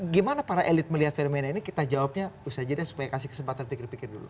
gimana para elit melihat fenomena ini kita jawabnya usai jeda supaya kasih kesempatan pikir pikir dulu